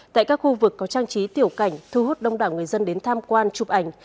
tại các khu vực có trang trí tiểu cảnh thu hút đông đảo người dân đến tham quan chụp ảnh